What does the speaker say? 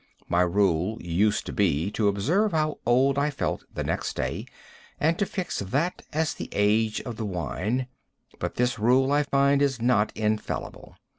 My rule used to be to observe how old I felt the next day and to fix that as the age of the wine, but this rule I find is not infallible.